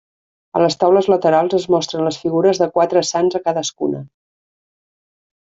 A les taules laterals es mostren les figures de quatre sants a cadascuna.